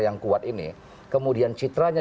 yang kuat ini kemudian citranya